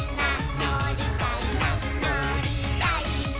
「のりたいなのりたいな」